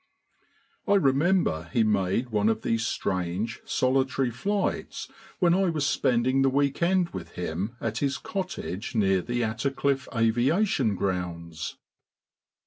I remember he made one of these strange, solitary flights when I was spending the week end with him at his cottage near the Attercliffe Aviation Grounds.